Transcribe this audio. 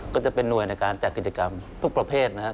ก็จะเป็นหน่วยในการจัดกิจกรรมทุกประเภทนะครับ